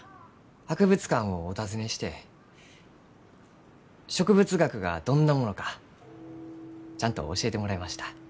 博物館をお訪ねして植物学がどんなものかちゃんと教えてもらいました。